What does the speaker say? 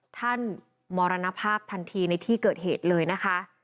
มรณภาพทันทีในที่เกิดเหตุเลยนะคะ